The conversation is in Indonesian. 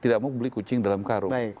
tidak mau beli kucing dalam karung